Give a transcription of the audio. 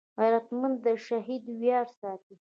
غیرتمند د شهید ویاړ ساتي